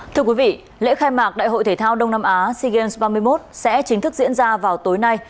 thưa quý vị lễ khai mạc đại hội thể thao đông nam á sea games ba mươi một sẽ chính thức diễn ra vào tối nay